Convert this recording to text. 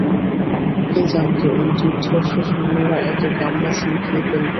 কে জানতো এই দুর্ধর্ষ সৈন্যরা এত গামলা সিম খেয়ে ফেলবে।